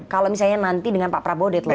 kalau misalnya nanti dengan pak prabowo deadline